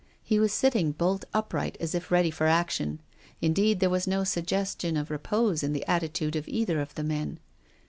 He was sitting bolt upright as if ready for action. Indeed there was no suggestion of repose in the attitudes of cither of the men.